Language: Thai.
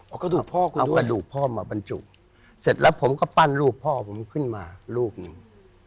เอากระดูกพ่อมาบรรจุกเสร็จแล้วผมก็ปั้นลูกพ่อผมขึ้นมาลูกนึง